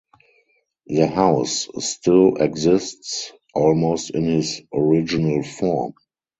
The house still exists almost in his original form.